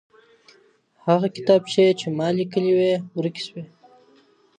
هغه کتابچې چي ما ليکلې وې ورکې سوې.